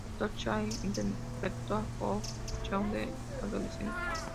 El actor Chae Sang-woo interpretó a Boo-cheon de adolescente.